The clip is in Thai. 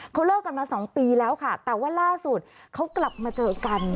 เขาเลิกกันมา๒ปีแล้วค่ะแต่ว่าล่าสุดเขากลับมาเจอกัน